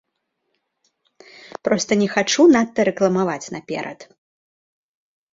Проста не хачу надта рэкламаваць наперад.